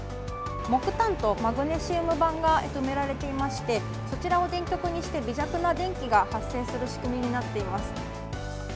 木炭とマグネシウム板が埋められていまして、そちらを電極にして、微弱な電気が発生する仕組みになっています。